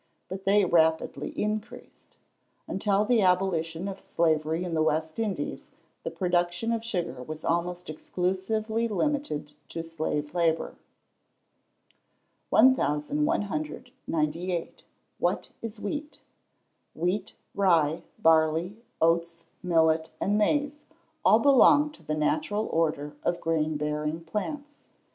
But they rapidly increased. Until the abolition of slavery in the West Indies, the production of sugar was almost exclusively limited to slave labour. (See 1226). 1198. What is wheat? Wheat, rye, barley, oats, millet, and maize, all belong to the natural order of grain bearing plants.